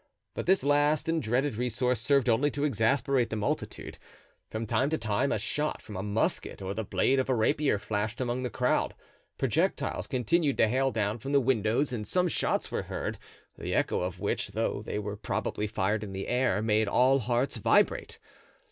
But this last and dreaded resource served only to exasperate the multitude. From time to time a shot from a musket or the blade of a rapier flashed among the crowd; projectiles continued to hail down from the windows and some shots were heard, the echo of which, though they were probably fired in the air, made all hearts vibrate.